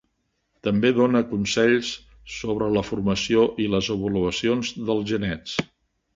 També dona consells sobre la formació i les avaluacions dels genets.